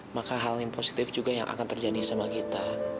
maka hal yang positif juga yang akan terjadi sama kita